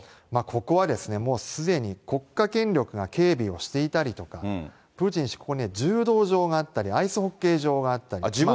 ここは、もうすでに国家権力が警備をしていたりとか、プーチン氏、ここに柔道場があったり、アイスホッケー場があったり。